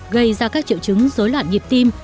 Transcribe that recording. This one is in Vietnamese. gây ra các triệu chứng rối loạn nhịp tim